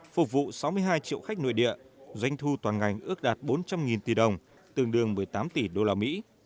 phục vụ sáu mươi hai triệu khách nội địa doanh thu toàn ngành ước đạt bốn trăm linh tỷ đồng tương đương một mươi tám tỷ usd